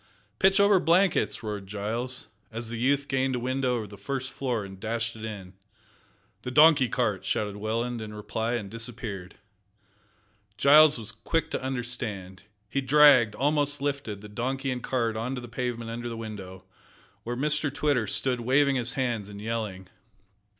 "Pitch over blankets!" roared Giles, as the youth gained a window of the first floor, and dashed it in. "The donkey cart!" shouted Welland, in reply, and disappeared. Giles was quick to understand. He dragged almost lifted the donkey and cart on to the pavement under the window where Mr Twitter stood waving his hands and yelling.